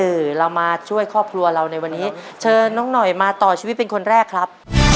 เรามาช่วยครอบครัวเราในวันนี้เชิญน้องหน่อยมาต่อชีวิตเป็นคนแรกครับ